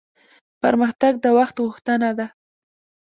پرمختګ د وخت غوښتنه ده